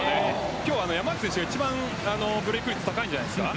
今日、山内選手が一番ブレーク率高いんじゃないですか。